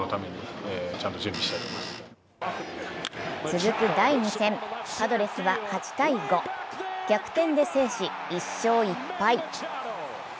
続く第２戦、パドレスは８−５、逆転で制し１勝１敗。